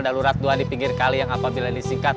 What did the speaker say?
darurat dua di pinggir kali yang apabila disingkat